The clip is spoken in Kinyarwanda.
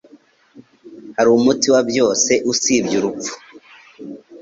Hariho umuti wa byose, usibye urupfu.